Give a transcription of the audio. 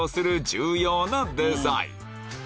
重要なデザイン